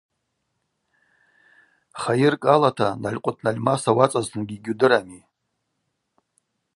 Хайыркӏ алата, налькъвытнальмас ауацӏазтынгьи йгьудырами.